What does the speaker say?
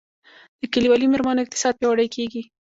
د کلیوالي میرمنو اقتصاد پیاوړی کیږي